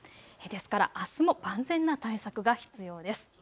ですからあすも万全な対策が必要です。